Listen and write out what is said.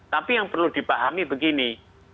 tapi yang perlu dipahami begini